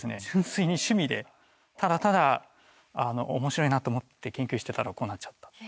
純粋に趣味でただただ面白いなと思って研究してたらこうなっちゃった。